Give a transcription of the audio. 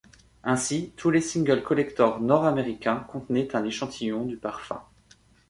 Ainsi tous les singles collector nord américain contenaient un échantillon du parfum.